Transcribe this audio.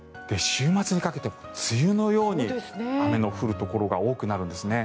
週末にかけて梅雨のように雨の降るところが多くなるんですね。